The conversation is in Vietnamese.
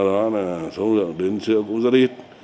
do đó là số lượng đến chữa cũng rất ít